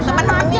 tante aku mau